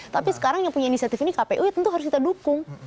tapi sekarang yang punya inisiatif ini kpu ya tentu harus kita dukung